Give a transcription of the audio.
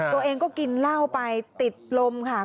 ตัวเองก็กินเหล้าไปติดลมค่ะ